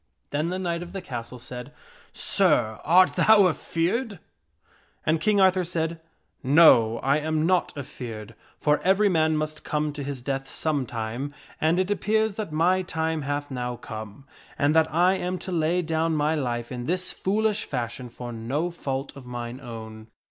Then the knight of the castle said, " Sir, art thou afeared ?" And King Arthur said, " No, I am not afeared, for every man must come to his death some time, and it appears that my time hath now come, and that I am to lay down my life in this foolish fashion for no fault of mine own."